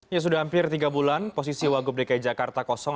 ya sudah hampir tiga bulan posisi wagub dki jakarta kosong